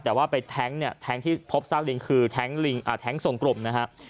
แต่ว่าไปแท็งค์ที่พบซากลิงคือแท็งค์ลิงอ่าแท็งค์ทรงกลมนะครับ